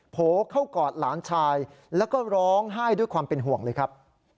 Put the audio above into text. โผล่เข้ากอดหลานชายแล้วก็ร้องไห้ด้วยความเป็นห่วงเลยครับ